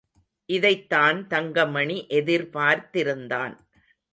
இதைத்தான் தங்கமணி எதிர்பார்த்திருந்தான்.